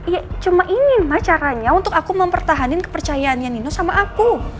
ya cuma ingin ma caranya untuk aku mempertahankan kepercayaan nino sama aku